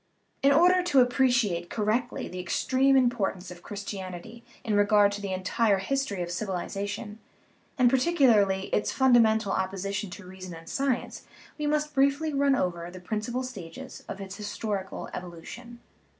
In order to appreciate correctly the extreme impor tance of Christianity in regard to the entire history of civilization, and particularly its fundamental oppo sition to reason and science, we must briefly run over the principal stages of its historical evolution.